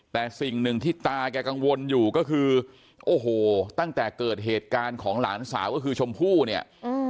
แต่สิ่งหนึ่งที่ตาแกกังวลอยู่ก็คือโอ้โหตั้งแต่เกิดเหตุการณ์ของหลานสาวก็คือชมพู่เนี่ยอืม